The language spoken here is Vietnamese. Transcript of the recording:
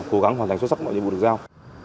cố gắng hoàn thành xuất sắc mọi nhiệm vụ được giao